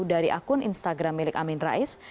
dari akun instagram milik amin rais